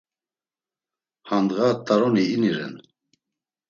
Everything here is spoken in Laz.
Handğa t̆aroni ini ren.